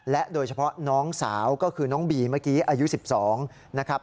โดยเฉพาะน้องสาวก็คือน้องบีเมื่อกี้อายุ๑๒นะครับ